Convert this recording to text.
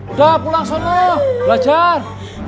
udah pulang sana belajar